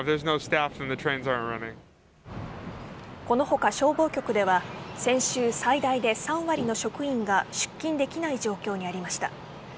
この他、消防局では先週、最大で３割の職員が出勤できない状況になりました。